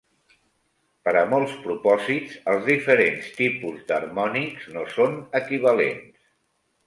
Per a molts propòsits els diferents tipus d'harmònics no són equivalents.